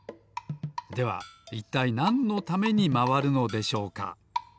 ではいったいなんのためにまわるのでしょうか？